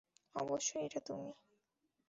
অবশ্যই এটা তুমি।